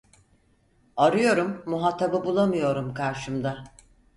Arıyorum muhatabı bulamıyorum karşımda